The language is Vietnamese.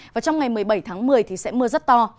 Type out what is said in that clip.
và trong ngày một mươi bảy tháng một mươi thì sẽ mưa rất to